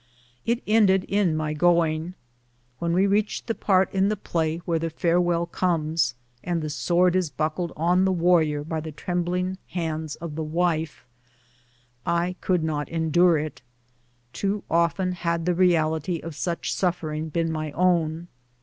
It ended in my going. When we reached the part in the play where the farewell comes, and the sword is buckled on the w^arrior by the trembling hands of the wife, I could not endure it. Too often had the reality of such suffering been my own.